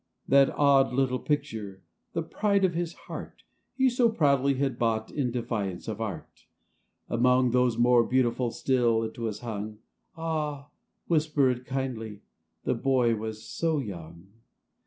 That odd little picture, the pride of his heart, He so proudly had bought in defiance of art ! Among those more beautiful still it was hung ; Ah ! whisper it kindly ; the boy was so young.